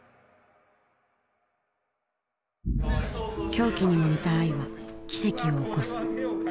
狂気にも似た愛は奇跡を起こす。